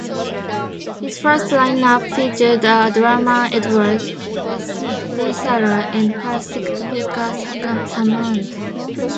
His first line-up featured the drummer Edward Vesala and bassist Pekka Sarmanto.